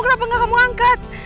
kenapa gak kamu angkat